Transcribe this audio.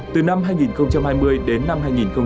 từ năm hai nghìn hai mươi đến năm hai nghìn hai mươi